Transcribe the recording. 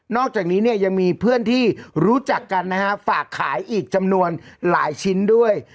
อกจากนี้เนี่ยยังมีเพื่อนที่รู้จักกันนะฮะฝากขายอีกจำนวนหลายชิ้นด้วย